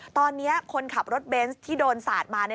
ตอนนี้คนขับรถเบนส์ที่โดนสาดมา